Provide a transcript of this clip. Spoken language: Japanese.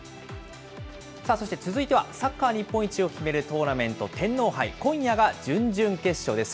そして続いては、サッカー日本一を決めるトーナメント、天皇杯、今夜が準々決勝です。